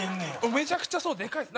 めちゃくちゃそうでかいです。